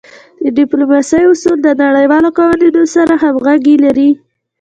د ډیپلوماسی اصول د نړیوالو قوانینو سره همږغي لری.